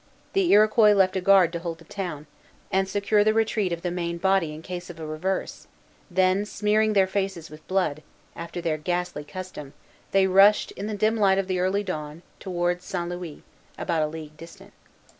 The Iroquois left a guard to hold the town, and secure the retreat of the main body in case of a reverse; then, smearing their faces with blood, after their ghastly custom, they rushed, in the dim light of the early dawn, towards St. Louis, about a league distant.